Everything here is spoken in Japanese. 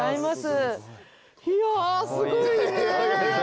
いやすごいね。